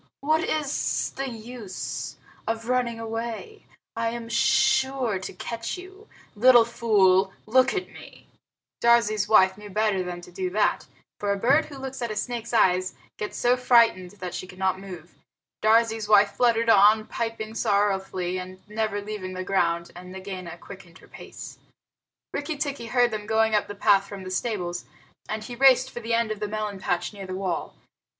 What is the use of running away? I am sure to catch you. Little fool, look at me!" Darzee's wife knew better than to do that, for a bird who looks at a snake's eyes gets so frightened that she cannot move. Darzee's wife fluttered on, piping sorrowfully, and never leaving the ground, and Nagaina quickened her pace. Rikki tikki heard them going up the path from the stables, and he raced for the end of the melon patch near the wall.